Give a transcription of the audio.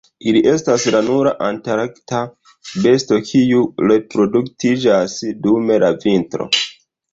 Ili estas la nura antarkta besto kiu reproduktiĝas dum la vintro.